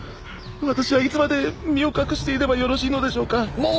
私はいつまで身を隠していればよろしいのでしょうか？